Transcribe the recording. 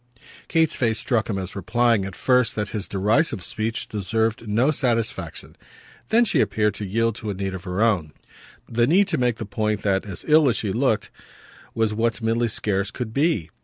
Kate's face struck him as replying at first that his derisive speech deserved no satisfaction; then she appeared to yield to a need of her own the need to make the point that "as ill as she looked" was what Milly scarce could be.